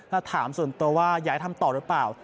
ถ้าถามส่วนตัวว่าย้ายทำต่อหรือเปล่า